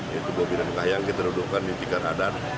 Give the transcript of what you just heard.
yaitu bobi dan kahiyang kita dudukkan di tikar adat